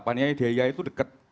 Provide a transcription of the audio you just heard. panianya diai itu dekat